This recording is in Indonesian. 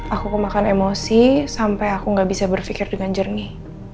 aku makan emosi sampai aku gak bisa berpikir dengan jernih